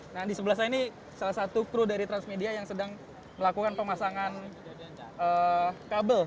nah di sebelah saya ini salah satu kru dari transmedia yang sedang melakukan pemasangan kabel